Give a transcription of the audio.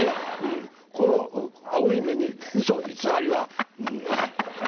この青い目にウソ偽りはない！